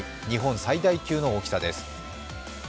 日本最大級の大きさです。